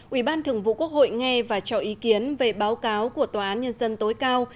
ủy ban thường vụ quốc hội nghe và cho ý kiến về báo cáo của tòa án nhân dân tối cao